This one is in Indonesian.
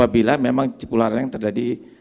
bila memang cipularang terjadi